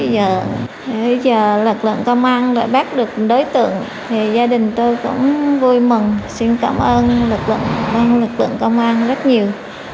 giờ lực lượng công an đã bác được đối tượng thì gia đình tôi cũng vui mừng xin cảm ơn lực lượng công an rất nhiều